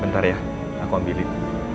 bentar ya aku ambilin